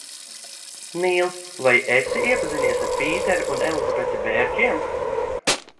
Nīl, vai esi iepazinies ar Pīteru un Elizabeti Bērkiem?